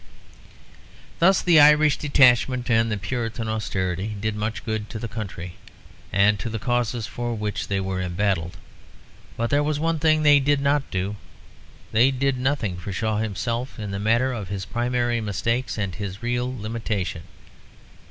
Thus the Irish detachment and the Puritan austerity did much good to the country and to the causes for which they were embattled. But there was one thing they did not do; they did nothing for Shaw himself in the matter of his primary mistakes and his real limitation.